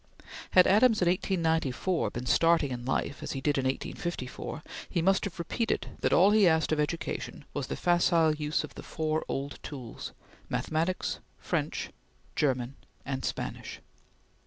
Had Adams in 1894 been starting in life as he did in 1854, he must have repeated that all he asked of education was the facile use of the four old tools: Mathematics, French, German, and Spanish.